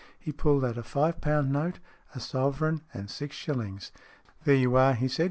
He pulled out a five pound note, a sovereign, and six shillings " There you are," he said.